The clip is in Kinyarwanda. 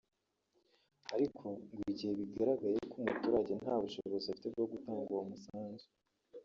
Ariko ngo igihe bigaragaye ko umuturage nta bushobozi afite bwo gutanga uwo musanzu